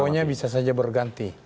tokonya bisa saja bergantung